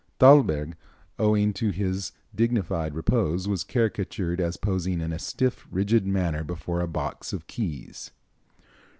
Thalberg, owing to his dignified repose, was caricatured as posing in a stiff, rigid manner before a box of keys.